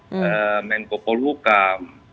dari menko polukam